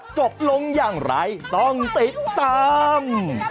จบลงอย่างไรต้องติดตาม